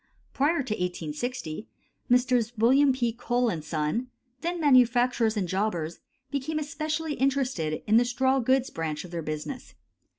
Prior to 1860 Messrs. Wm. P. Cole & Son, then manufacturers and jobbers, became especially interested in the straw goods branch of their business.